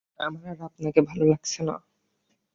আমার আর আপনাকে ভালো লাগছে না।